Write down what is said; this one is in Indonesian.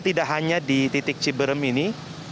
tidak hanya di titik ciberem ini